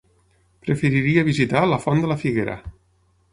Preferiria visitar la Font de la Figuera.